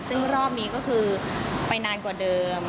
ซึ่งรอบนี้ก็คือไปนานกว่าเดิม